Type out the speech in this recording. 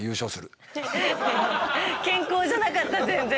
健康じゃなかった全然。